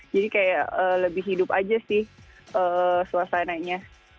kayak lebih hidup aja sih suasananya